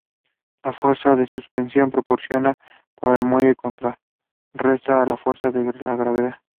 Matthews was born in Durban.